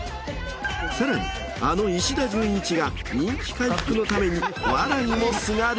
さらにあの石田純一が人気回復のために笑にもすがる。